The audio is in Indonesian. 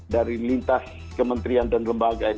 dari lintas kementerian dan lembaga